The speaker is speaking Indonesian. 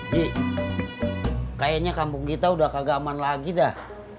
ji kayaknya kampung kita udah kagak aman lagi dah